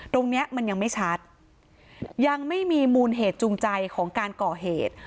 ตรงนี้มันยังไม่ชัดยังไม่มีมูลเหตุจูงใจของการก่อเหตุ